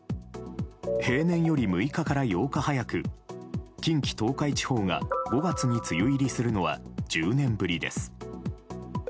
平年より６日から８日早く近畿・東海地方が５月に梅雨入りするのは１０年ぶりです。